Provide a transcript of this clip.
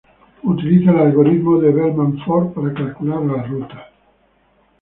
Utiliza el algoritmo de Bellman-Ford para calcular las rutas.